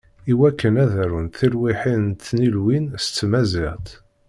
I wakken ad arunt tilwiḥin n tnilwin s tmaziɣt.